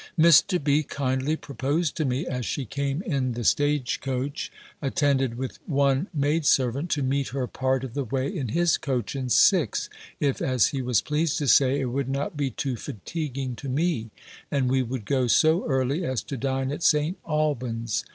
Mr. B. kindly proposed to me, as she came in the stage coach, attended with one maid servant, to meet her part of the way in his coach and six, if, as he was pleased to say, it would not be too fatiguing to me; and we would go so early, as to dine at St. Alban's.